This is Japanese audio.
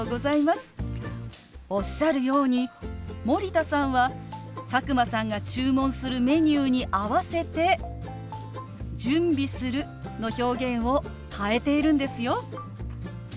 おっしゃるように森田さんは佐久間さんが注文するメニューに合わせて「準備する」の表現を変えているんですよ。